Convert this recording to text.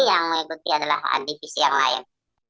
yang mengikuti adalah divisi yang lain